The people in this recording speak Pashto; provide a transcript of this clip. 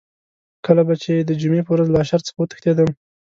کله به چې د جمعې په ورځ له اشر څخه وتښتېدم.